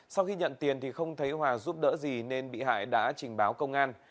sau khi nhận tiền thì không thấy hòa giúp đỡ gì nên bị hại đã trình báo công an